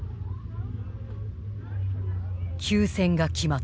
休戦が決まった。